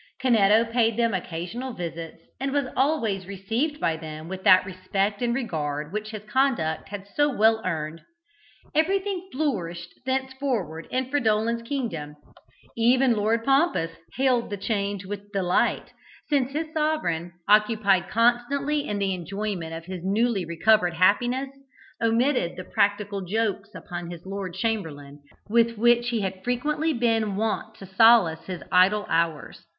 Canetto paid them occasional visits, and was always received by them with that respect and regard which his conduct had so well earned. Everything flourished thenceforward in Fridolin's kingdom. Even Lord Pompous hailed the change with delight, since his sovereign, occupied constantly in the enjoyment of his newly recovered happiness, omitted the practical jokes upon his lord chamberlain with which he had frequently been wont to solace his idle hours.